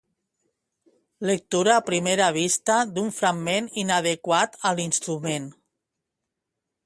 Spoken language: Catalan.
Lectura a primera vista d'un fragment inadequat a l'instrument.